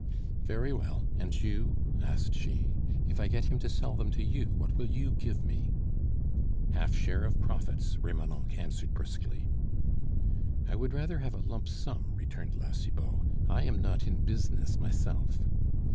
"Very well; and you?" asked she, "if I get him to sell them to you, what will you give me?" "Half share of profits," Remonencq answered briskly. "I would rather have a lump sum," returned La Cibot; "I am not in business myself."